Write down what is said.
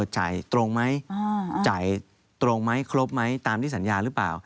จ่ายตรงไหมจ่ายตรงไหมครบไหมตามที่สัญญาหรือเปล่า